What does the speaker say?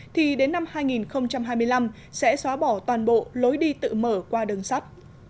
thì đến năm hai nghìn hai mươi năm sẽ xóa bỏ toàn bộ lối đi tự mở qua đường sắt